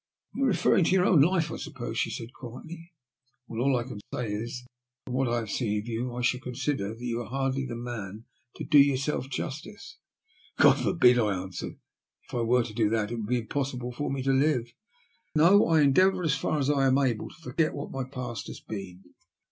" You are referring to your own life, I suppose ?" she said, quietly. Well, all I can say is that, from what I have seen of you, I should consider that you are hardly the man to do yourself justice.'* '^ God forbid," I answered. '' If I were to do that it would be impossible for me to live. No; I en deavour, as far as I am able, to forget what my past has been."